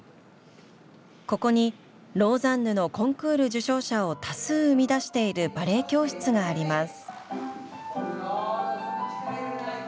ここにローザンヌのコンクール受賞者を多数生み出しているバレエ教室があります。